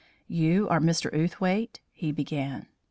"You are Mr. Outhwaite," he began.